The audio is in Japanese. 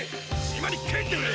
島に帰ってくれ！